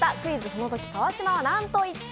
そのとき川島はなんと言った！？」